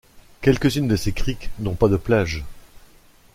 Quelques-unes de ces criques n’ont pas de plage.